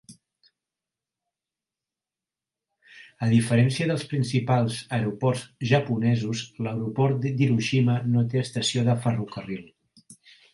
A diferència dels principals aeroports japonesos, l'aeroport d'Hiroshima no té estació de ferrocarril.